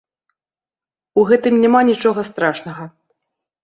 У гэтым няма нічога страшнага.